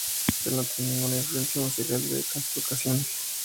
Él no tenía ninguna influencia musical directa en su educación.